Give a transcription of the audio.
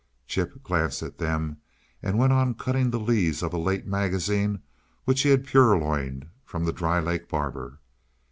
Chip glanced at them and went on cutting the leaves of a late magazine which he had purloined from the Dry Lake barber.